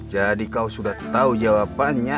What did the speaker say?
jadi kau sudah tahu jawabannya